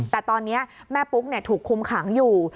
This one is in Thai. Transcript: แต่ตอนนี้แม่ปุ๊กถูกคุมขังอยู่